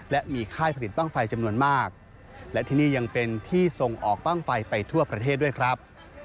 และมีค่ายผลิตบ้างไฟจำนวนมากและที่นี่ยังเป็นที่ส่งออกบ้างไฟไปทั่วประเทศด้วยครับ